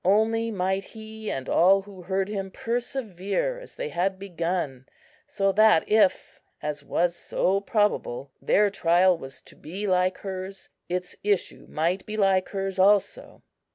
Only might he and all who heard him persevere as they had begun, so that if (as was so probable) their trial was to be like hers, its issue might be like hers also.